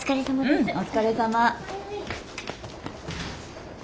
うんお疲れさま。